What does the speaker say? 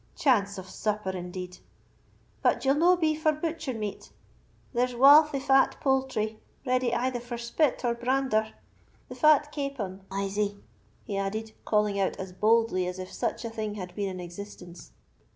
Chance of supper, indeed! But ye'll no be for butcher meat? There's walth o' fat poultry, ready either for spit or brander. The fat capon, Mysie!" he added, calling out as boldly as if such a thing had been in existence.